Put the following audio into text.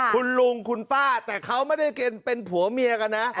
คุณลุงคุณป้าแต่เขาไม่ได้เป็นผัวเมียกันนะ